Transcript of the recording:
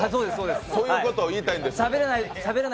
そういうことを言いたいんです。